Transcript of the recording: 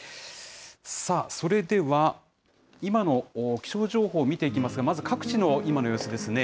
それでは、今の気象情報、見ていきますが、まず各地の今の様子ですね。